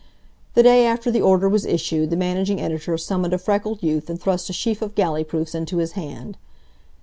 The day after the order was issued the managing editor summoned a freckled youth and thrust a sheaf of galley proofs into his hand.